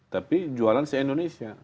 tapi jualan se indonesia